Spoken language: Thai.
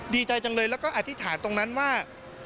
ดีใจจังเลยแล้วก็อธิษฐานตรงนั้นว่า